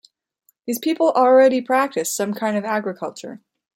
These people already practiced some kind of agriculture.